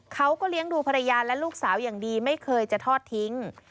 เขาก็เลี้ยงดูภรรยาและลูกสาวอย่างดีไม่เคยจะทอดทิ้ง